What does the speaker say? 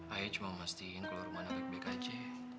ayo cuma mau mastiin keluar rumah anak baik baik aja